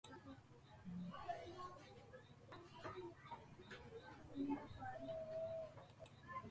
Chaymanta maykanchari aysan chay qanan